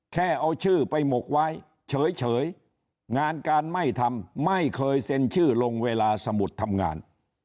แค่เอาชื่อไปหมกไว้เฉยงานการไม่ทำไม่เคยเซ็นชื่อลงเวลาสมุดทำงาน